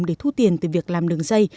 để thu tiền từ việc làm đường dây